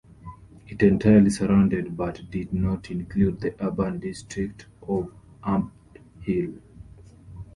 It entirely surrounded but did not include the urban district of Ampthill.